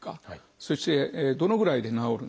そしてどのぐらいで治るのか。